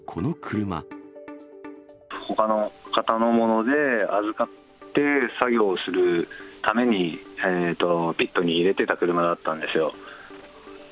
ほかの方のもので、預かって作業するために、ピットに入れてた車だったんですよ。